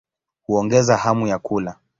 Huongeza hamu ya kula.